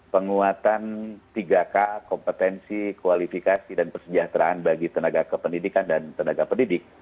penguatan tiga k kompetensi kualifikasi dan kesejahteraan bagi tenaga kependidikan dan tenaga pendidik